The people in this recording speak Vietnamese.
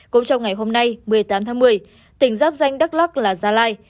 cũng trong ngày hôm nay một mươi tám tháng một mươi tỉnh giáp danh đắk lắc là gia lai